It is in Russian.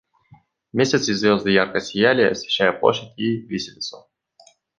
Месяц и звезды ярко сияли, освещая площадь и виселицу.